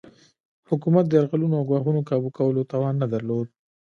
حکومت د یرغلونو او ګواښونو کابو کولو توان نه درلود.